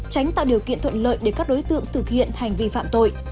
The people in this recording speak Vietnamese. tránh tạo điều kiện thuận lợi để các đối tượng thực hiện hành vi phạm tội